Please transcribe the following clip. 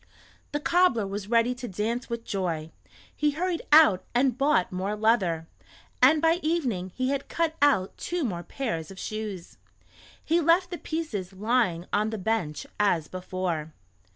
The cobbler was ready to dance with joy. He hurried out and bought more leather, and by evening he had cut out two more pairs of shoes. He left the pieces lying on the bench as before.